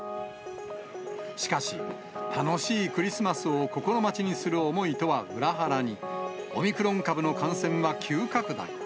しかし、楽しいクリスマスを心待ちにする思いとは裏腹に、オミクロン株の感染は急拡大。